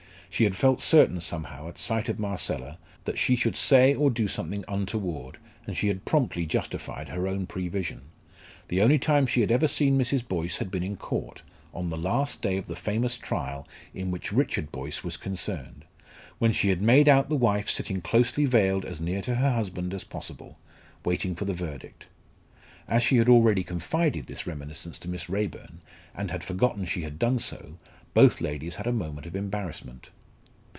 She had felt certain somehow, at sight of Marcella, that she should say or do something untoward, and she had promptly justified her own prevision. The only time she had ever seen Mrs. Boyce had been in court, on the last day of the famous trial in which Richard Boyce was concerned, when she had made out the wife sitting closely veiled as near to her husband as possible, waiting for the verdict. As she had already confided this reminiscence to Miss Raeburn, and had forgotten she had done so, both ladies had a moment of embarrassment.